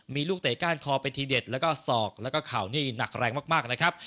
มีลูกเตะก้านคอเป็นทีเด็ดแล้วก็ศอกแล้วก็เข่านี่หนักแรงมากนะครับ